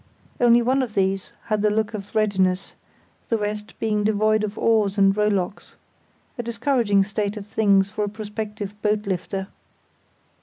Only one of these had the look of readiness, the rest being devoid of oars and rowlocks; a discouraging state of things for a prospective boat lifter.